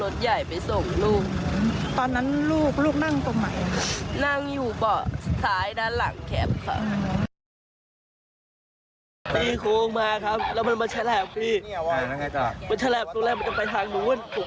ที่มันขนาดนั้นมันเกิดจากภาพภูมิคุณ